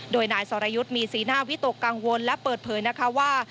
โดยนายสรยุทธ์มีสีหน้าวิตกกังวลและเปิดเผยนะคะว่า